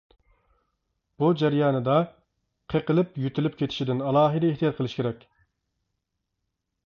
بۇ جەريانىدا قېقىلىپ يۆتىلىپ كېتىشىدىن ئالاھىدە ئېھتىيات قىلىش كېرەك.